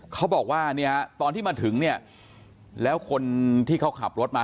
เขาบอกว่าตอนที่มาถึงแล้วคนที่เขาขับรถมา